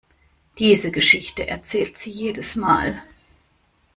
Diese Geschichte erzählt sie jedes Mal.